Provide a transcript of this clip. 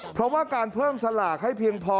เพราะว่าการเพิ่มสลากให้เพียงพอ